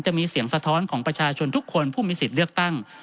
จะมีเสียงสะท้อนของประชาชนทุกคนผู้มีสิทธิ์เลือกตั้ง